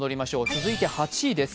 続いて８位です。